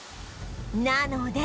なので